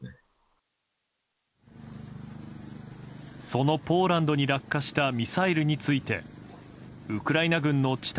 そのポーランドに落下したミサイルについてウクライナ軍の地